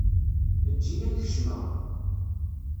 Ejj-iyi ad n-kecmeɣ.